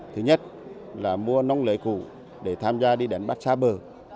thứ nhất là mua nông lợi cũ để tham gia đi đánh bắt xa bờ